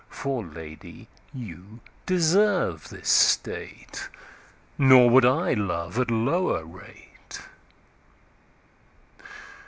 For Lady you deserve this State; Nor would I love at lower rate.